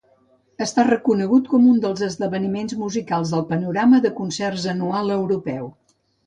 Està reconegut com un dels esdeveniments musicals del panorama de concerts anual europeu.